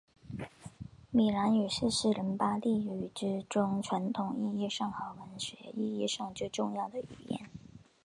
米兰语是西伦巴第语之中传统意义上和文学意义上最重要的语言。